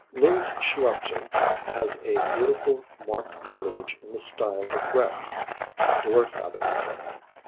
Louis Schwatzer has a beautiful marked foliage in the style of Rex, dwarf habit.